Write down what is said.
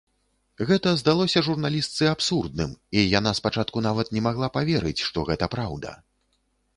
Гэта здалося журналістцы абсурдным, і яна спачатку нават не магла паверыць, што гэта праўда.